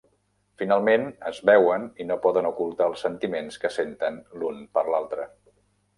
Finalment es veuen i no poden ocultar els sentiments que senten l'un per l'altra.